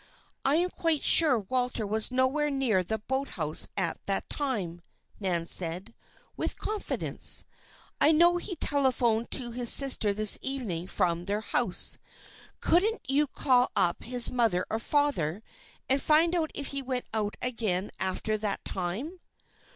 "I am quite sure Walter was nowhere near the boathouse at that time," Nan said, with confidence. "I know he telephoned to his sister this evening from their house. Couldn't you call up his mother or father, and find out if he went out again after that time?"